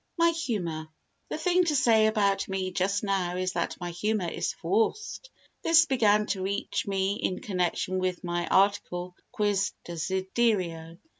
My Humour The thing to say about me just now is that my humour is forced. This began to reach me in connection with my article "Quis Desiderio ..